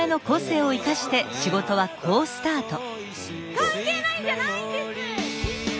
関係ないんじゃないんです！